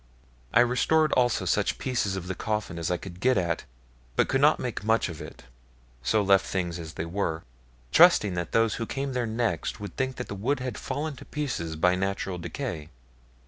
I restored also such pieces of the coffin as I could get at, but could not make much of it; so left things as they were, trusting that those who came there next would think the wood had fallen to pieces by natural decay.